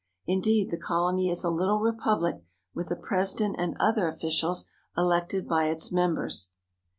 Indeed, the colony is a little republic with a president and other officials elected by its members.